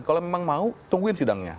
kalau memang mau tungguin sidangnya